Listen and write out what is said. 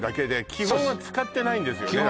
基本は使ってないです